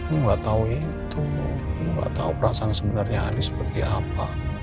gue gak tau itu gue gak tau perasaan sebenarnya adi seperti apa